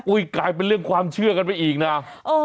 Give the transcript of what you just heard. กลายเป็นเรื่องความเชื่อกันไปอีกนะ